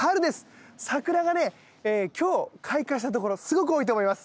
桜がね今日開花したところすごく多いと思います。